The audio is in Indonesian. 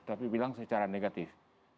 tapi bilang secara negatif